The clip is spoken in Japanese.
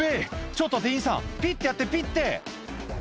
ちょっと店員さんピッてやってピッて」